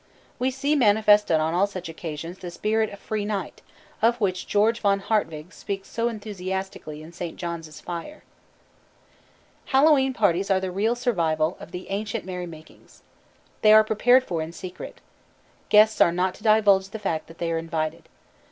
We see manifested on all such occasions the spirit of "Free night" of which George von Hartwig speaks so enthusiastically in St. John's Fire (page 141). Hallowe'en parties are the real survival of the ancient merrymakings. They are prepared for in secret. Guests are not to divulge the fact that they are invited.